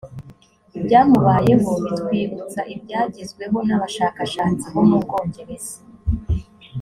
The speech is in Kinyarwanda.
ibyamubayeho bitwibutsa ibyagezweho n abashakashatsi bo mu bwongereza